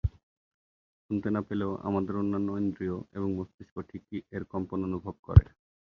শুনতে না পেলেও আমাদের অন্যান্য ইন্দ্রিয় এবং মস্তিষ্ক ঠিকই এর কম্পন অনুভব করে।